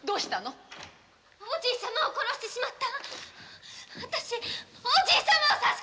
私おじい様を刺し殺してしまった！